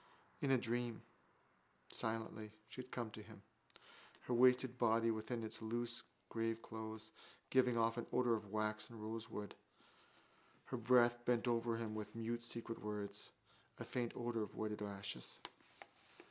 In a dream, silently, she had come to him, her wasted body within its loose graveclothes giving off an odour of wax and rosewood, her breath, bent over him with mute secret words, a faint odour of wetted ashes.